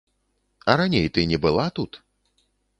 А раней ты не была тут?